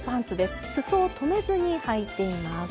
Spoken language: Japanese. すそを留めずにはいています。